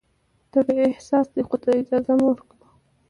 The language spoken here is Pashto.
طبیعي احساس دی، خو دا اجازه مه ورکوه